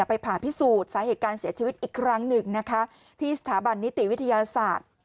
ผ่าพิสูจน์สาเหตุการเสียชีวิตอีกครั้งหนึ่งนะคะที่สถาบันนิติวิทยาศาสตร์